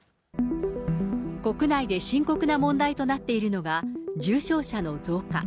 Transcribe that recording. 国内で深刻な問題となっているのは、重症者の増加。